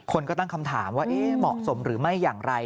คนก็ตั้งคำถามว่าเหมาะสมหรือไม่อย่างไร